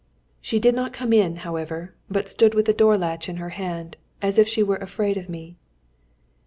She did not come in, however, but stood with the door latch in her hand, as if she were afraid of me.